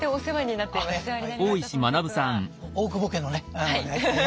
大久保家のね役を。